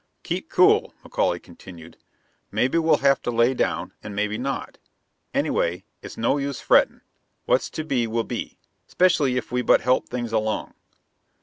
"Keep cool," McAuley continued. "Maybe we'll have to lay down, and maybe not. Anyway, it's no use frettin'. What's to be will be, 'specially if we but help things along."